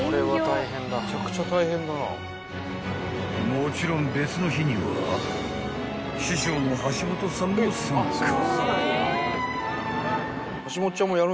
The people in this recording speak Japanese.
［もちろん別の日には師匠の橋本さんも参加］